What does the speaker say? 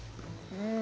うん。